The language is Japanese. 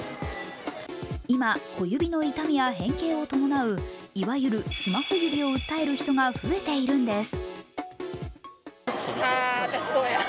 今、小指の痛みや変形を伴う、いわゆるスマホ指を訴える人が増えているんです。